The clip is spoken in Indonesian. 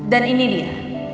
dan ini dia